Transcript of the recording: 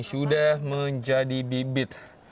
ini sudah menjadi bibit